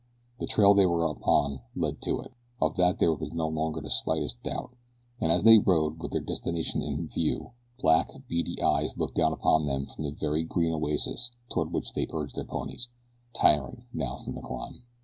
The trail they were upon led to it of that there could be no longer the slightest doubt. And as they rode with their destination in view black, beady eyes looked down upon them from the very green oasis toward which they urged their ponies tiring now from the climb.